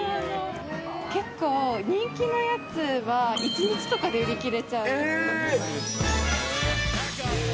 結構、人気なやつは、１日とかで売り切れちゃう。